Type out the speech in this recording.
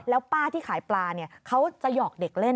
แล้วป้าที่ขายปลาเนี่ยเขาจะหอกเด็กเล่น